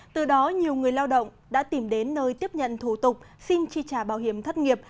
từ đó nhiều người lao động đã tìm đến nơi tiếp nhận thủ tục xin chi trả bảo hiểm thất nghiệp